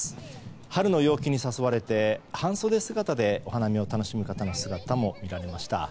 春の陽気に誘われて半袖姿でお花見を楽しむ人の姿も見られました。